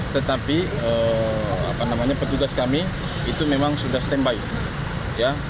tetapi petugas kami itu memang sudah standby